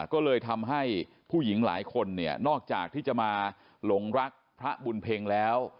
ก็เลยทำให้ผู้หญิงหลายคนเนี่ยนอกจากที่จะมาหลงรักพระบุญเพ็งแล้ว